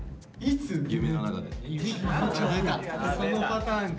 そのパターンか。